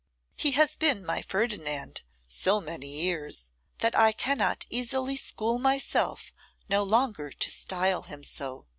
He has been my Ferdinand so many years, that I cannot easily school myself no longer to style him so.